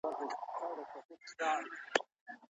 عبدالله بن عباس رضي الله عنهما فرمايلي دي.